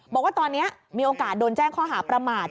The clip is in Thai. บอกว่าตอนนี้มีโอกาสโดนแจ้งข้อหาประมาท